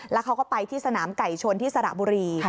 แล้วเขาก็ไปที่สนามไก่ชนที่สระบุรี